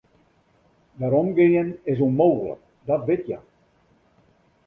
Weromgean is ûnmooglik, dat wit hja.